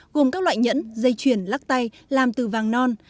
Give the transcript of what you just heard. gồm các loại nhẫn dây chuyền lắc tay làm từ vàng non